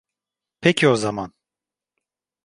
Peki o zaman.